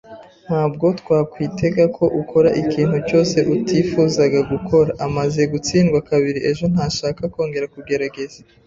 Ntabwo twakwitega ko ukora ikintu cyose utifuzaga gukora. Amaze gutsindwa kabiri ejo, ntashaka kongera kugerageza.